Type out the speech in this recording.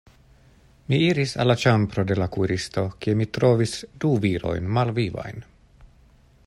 Mi iris al la ĉambro de la kuiristo, kie mi trovis du virojn malvivajn.